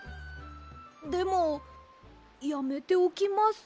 でもやめておきます。